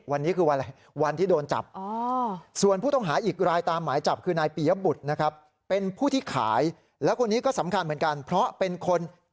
วันนี้คือวันอะไรวันที่โดนจับส่วนผู้ต้องหาอีกรายตามหมายจับคือนายปียบุตรนะครับเป็นผู้ที่ขายแล้วคนนี้ก็สำคัญเหมือนกันเพราะเป็นคน